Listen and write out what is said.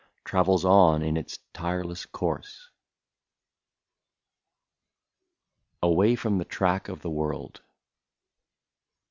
Travels on in its tireless course ?" 145 AWAY FROM THE TRACK OF THE WORLD.